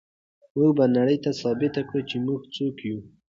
موږ به نړۍ ته ثابته کړو چې موږ څوک یو.